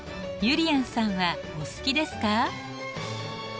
ゆりやんさんはお好きですか？